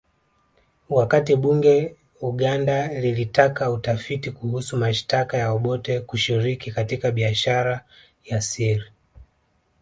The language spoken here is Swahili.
Wakati bunge Uganda lilitaka utafiti kuhusu mashtaka ya Obote kushiriki katika biashara ya siri